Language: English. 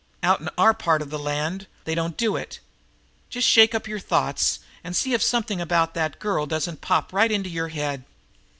Out in our part of the land they don't do it. Just shake up your thoughts and see if something about that girl doesn't pop right into your head."